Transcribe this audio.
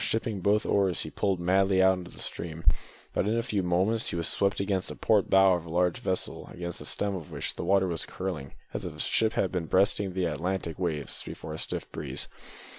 Shipping both oars he pulled madly out into the stream, but in a few moments he was swept against the port bow of a large vessel, against the stem of which the water was curling as if the ship had been breasting the Atlantic waves before a stiff breeze.